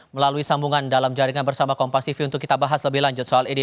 melalui sambungan dalam jaringan bersama kompas tv untuk kita bahas lebih lanjut soal ini